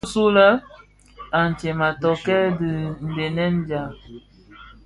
Bisulè antsem a tokkè dhidenèn dja.